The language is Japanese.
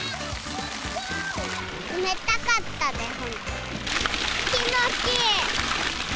冷たかったです。